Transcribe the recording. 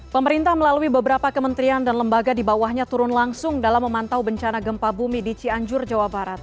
pemerintah melalui beberapa kementerian dan lembaga di bawahnya turun langsung dalam memantau bencana gempa bumi di cianjur jawa barat